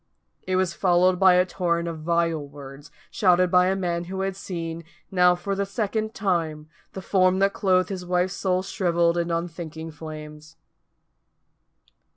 It was followed by a torrent of vile words, shouted by a man who had seen, now for the second time, the form that clothed his wife's soul shrivelled in unthinking flames.